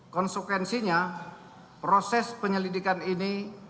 konsukensinya proses penyelidikan ini